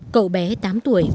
cậu bé tám tuổi vương phúc